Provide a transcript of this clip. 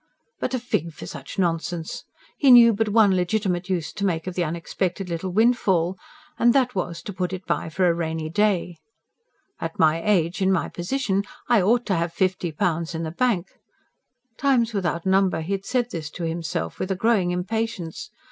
But a fig for such nonsense! He knew but one legitimate use to make of the unexpected little windfall, and that was, to put it by for a rainy day. "At my age, in my position, I OUGHT to have fifty pounds in the bank!" times without number he had said this to himself, with a growing impatience.